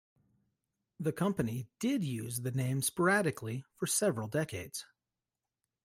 The company did use the name sporadically for several decades.